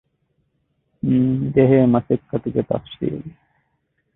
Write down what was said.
ންޖެހޭ މަސައްކަތުގެ ތަފްޞީލް